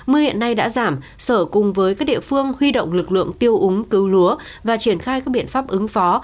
mưa hiện nay đã giảm sở cùng với các địa phương huy động lực lượng tiêu úng cứu lúa và triển khai các biện pháp ứng phó